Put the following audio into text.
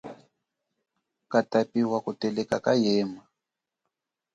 Katapi wa kuteleka kayema.